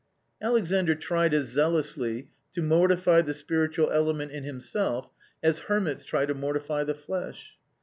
Alexandr tried as zealously to mortify the spiritual element in himself as hermits try to mortify the flesh.